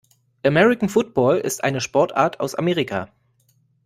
American Football ist eine Sportart aus Amerika.